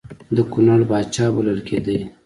د کنړ پاچا بلل کېدی.